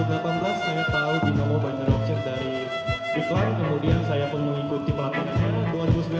tahun dua ribu delapan belas saya tahu di nomor banyak dari kemudian saya penuh ikuti pelakonnya dua ribu sembilan belas